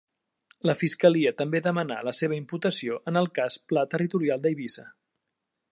La Fiscalia també demanà la seva imputació en el Cas Pla Territorial d'Eivissa.